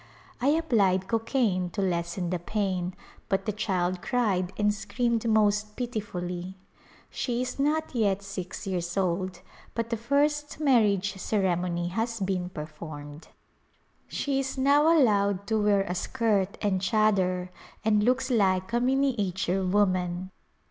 I applied co caine to lessen the pain but the child cried and screamed most pitifully. She is not yet six years old but the first marriage ceremony has been performed. She is now allowed to wear a skirt and chadar and looks like a miniature woman.